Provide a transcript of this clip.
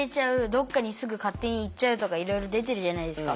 どっかにすぐ勝手に行っちゃうとかいろいろ出てるじゃないですか。